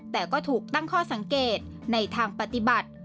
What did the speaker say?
แต่ก็ถูกตั้งข้อสังเกตในทางปฏิบัติ